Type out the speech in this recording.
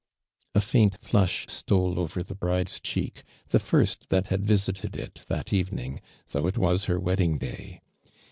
A faint flush stole over the bride's cheek, the first that hail visited it that evening, though it was her wedding day.